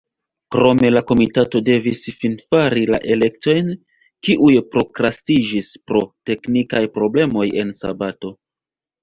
Krome la komitato devis finfari la elektojn, kiuj prokrastiĝis pro teknikaj problemoj en sabato.